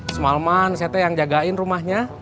semalaman saya yang jagain rumahnya